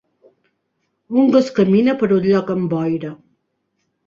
Un gos camina per un lloc amb boira.